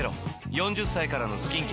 ４０歳からのスキンケア